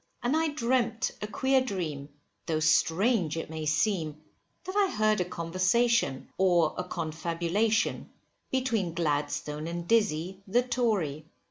And I dreamt a queer dream, though strange it may seem, that I heard a conversation, or a confabulation, between Gladstone and Dizzy, the Tory.